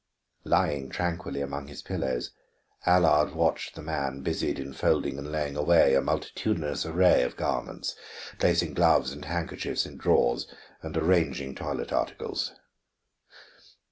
Lying tranquilly among his pillows, Allard watched the man busied in folding and laying away a multitudinous array of garments, placing gloves and handkerchiefs in drawers and arranging toilet articles.